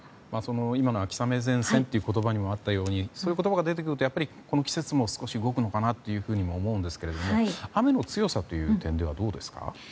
今の秋雨前線という言葉もあったようにそういう言葉が出てくると季節も少し動くのかなと思うんですけれども雨の強さという点はどうですか。